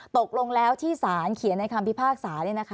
ตกลงแล้วที่สารเขียนในคำพิพากษา